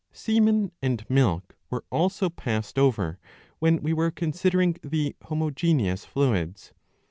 Semen and milk were also passed over, when we were considering the homogeneous fluids.